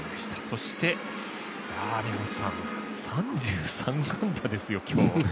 そして、３３安打ですよ、今日。